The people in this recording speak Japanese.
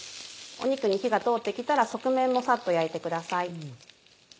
肉に火が通って来たら側面もサッと焼いてください。